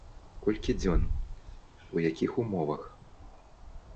Колькі дзён, у якіх умовах?